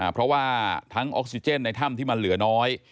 เพราะว่าทั้งออกซิเจนในถ้ำที่มันเหลือน้อย